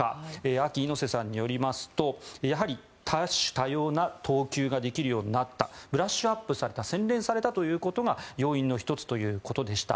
ＡＫＩ猪瀬さんによりますとやはり、多種多様な投球ができるようになったブラッシュアップされた洗練されたということが要因の１つということでした。